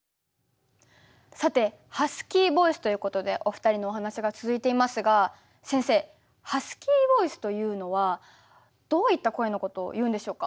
さてハスキーボイスということでお二人のお話が続いていますが先生ハスキーボイスというのはどういった声のことをいうんでしょうか？